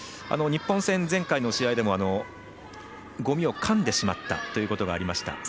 日本戦、前回の試合でも、ごみをかんでしまったということがありました。